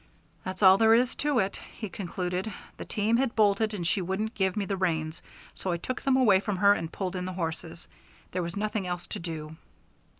"That's all there is to it," he concluded. "The team had bolted and she wouldn't give me the reins; so I took them away from her and pulled in the horses. There was nothing else to do."